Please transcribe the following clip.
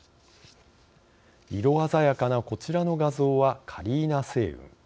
色鮮やかなこちらの画像はカリーナ星雲。